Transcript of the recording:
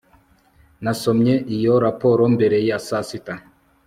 nasomye iyo raporo mbere ya saa sita